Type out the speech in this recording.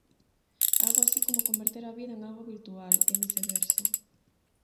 Algo así como converter a vida en algo virtual, e viceversa.